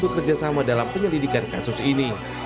bekerjasama dalam penyelidikan kasus ini